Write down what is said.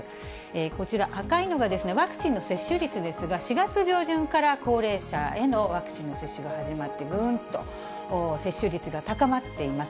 こちら、赤いのがワクチンの接種率ですが、４月上旬から高齢者へのワクチンの接種が始まって、ぐーんと接種率が高まっています。